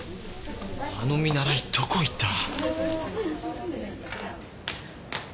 あの見習いどこ行った。